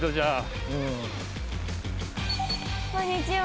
こんにちは。